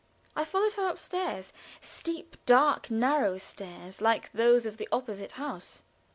I followed her upstairs steep, dark, narrow stairs, like those of the opposite house.